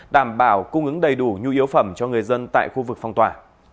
đảm bảo cung ứng đầy đủ nhu yếu phẩm cho người dân tại khu vực phong tỏa